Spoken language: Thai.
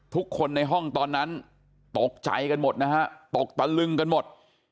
ทุกคนในห้องตอนนั้นตกใจกันหมดนะฮะตกตะลึงกันหมด